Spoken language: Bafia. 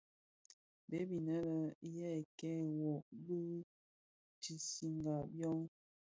Bèè inë yê kêê wôôgh i digsigha byôm.